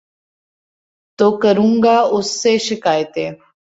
تو کروں گا اُس سے شکائتیں